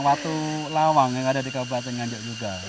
watu lawang yang ada di kabupaten nganjuk juga